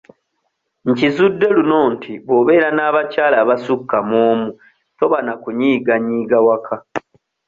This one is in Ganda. Nkizudde luno nti bw'obeera n'abakyala abasukka mu omu toba na kunyiiganyiiga waka.